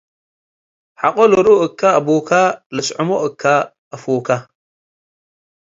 . ሐቆ ልርኡ እከ አቡከ ልስዕሞ እከ አፉከ፣